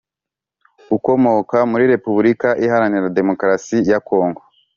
ukomoka muri repubulika iharanira demokarasi ya congo